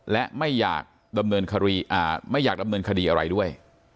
และไม่อยากดำเนินคดีอะไรด้วย